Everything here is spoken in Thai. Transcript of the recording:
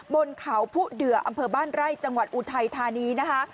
บนเขาผู้เดืออำเภอบ้านไร่จังหวัดอุทัยธานีนะคะ